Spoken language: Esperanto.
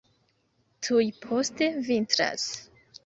Tuj poste vintras.